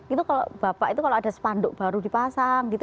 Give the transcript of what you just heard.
itu kalau bapak itu kalau ada spanduk baru dipasang gitu